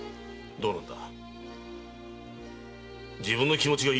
どうなんだ？